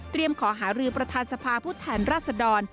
เตรียมขอหารือประธานสภาพุทธแทนรัศดร